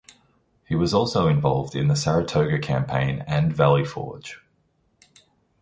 He was also involved in the Saratoga campaign and Valley Forge.